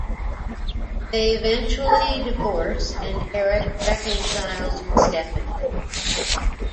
They eventually divorce and Eric reconciles with Stephanie.